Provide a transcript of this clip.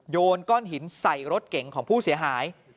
โยนก้อนหินใส่รถเก๋งของผู้เสียหาย